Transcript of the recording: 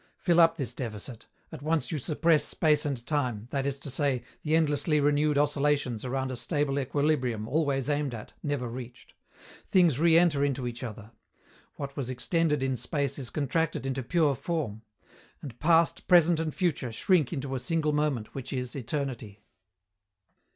Fill up this deficit: at once you suppress space and time, that is to say, the endlessly renewed oscillations around a stable equilibrium always aimed at, never reached. Things re enter into each other. What was extended in space is contracted into pure Form. And past, present, and future shrink into a single moment, which is eternity.